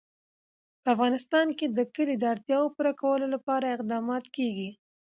په افغانستان کې د کلي د اړتیاوو پوره کولو لپاره اقدامات کېږي.